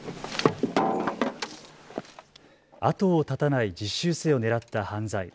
後を絶たない実習生を狙った犯罪。